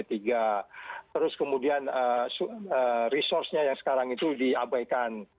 terus kemudian resource nya yang sekarang itu diabaikan